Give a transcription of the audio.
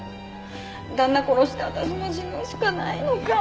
旦那殺して私も死ぬしかないのかも。